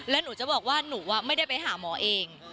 แล้วหนูจะบอกว่าหนูไม่ได้ไปหาหมอเอง